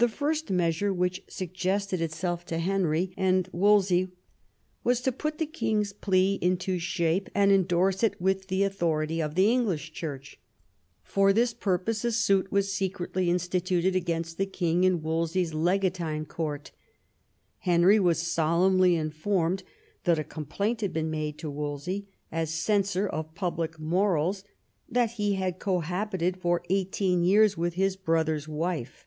The first measure which suggested itself to Henry and Wolsey was to put the king's plea into shape, and endorse it with the authority of the English Church. For this purpose a suit was secretly instituted against the king in Wolsey's legatine court Henry was solemnly in formed that a complaint had been made to Wolsey, as censor of public morals, that he had cohabited for eighteen years with his brother's wife.